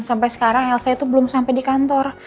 sampai sekarang elsa itu belum sampai di kantor